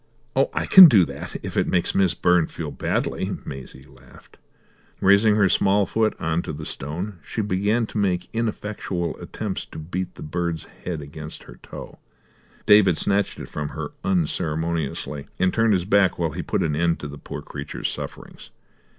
"Oh, I can do that, if it makes Miss Byrne feel badly," Maisie laughed. Raising her small foot on to a stone, she began to make ineffectual attempts to beat the bird's head against her toe. David snatched it from her unceremoniously, and turned his back while he put an end to the poor creature's sufferings.